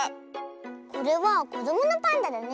これはこどものパンダだね。